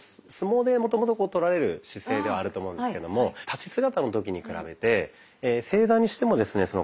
相撲でもともととられる姿勢ではあると思うんですけども立ち姿の時に比べて正座にしてもですね